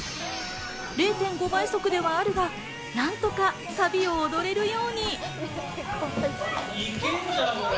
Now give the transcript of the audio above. ０．５倍速ではあるが、何とかサビを踊れるように！